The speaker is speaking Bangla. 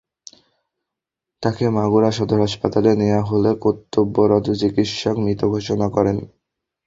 তাঁকে মাগুরা সদর হাসপাতালে নেওয়া হলে কর্তব্যরত চিকিৎসক মৃত ঘোষণা করেন।